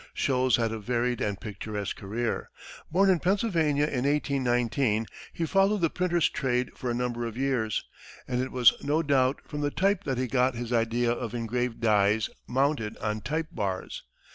Sholes had a varied and picturesque career. Born in Pennsylvania in 1819, he followed the printer's trade for a number of years, and it was no doubt from the type that he got his idea of engraved dies mounted on type bars.